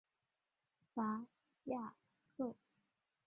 戈雅克。